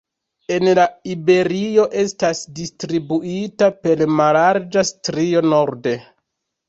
En la Iberio estas distribuita per mallarĝa strio norde.